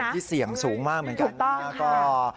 ที่เสี่ยงสูงมากเหมือนกันนะครับ